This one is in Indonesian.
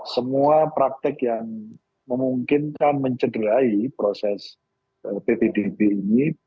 semua praktek yang memungkinkan mencederai proses ppdb ini